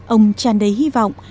ông tràn đầy hy vọng